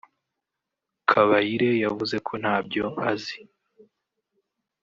Kabayire yavuze ko ntabyo azi